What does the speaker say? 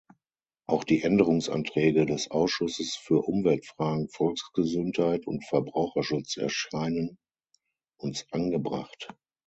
Auch die Änderungsanträge des Ausschusses für Umweltfragen, Volksgesundheit und Verbraucherschutz erscheinen uns angebracht.